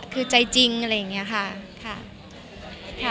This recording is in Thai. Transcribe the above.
คือใจจริงอะไรอย่างนี้ค่ะ